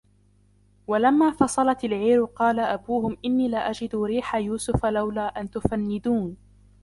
وَلَمَّا فَصَلَتِ الْعِيرُ قَالَ أَبُوهُمْ إِنِّي لَأَجِدُ رِيحَ يُوسُفَ لَوْلَا أَنْ تُفَنِّدُونِ